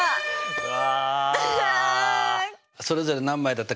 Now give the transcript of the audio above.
うわ！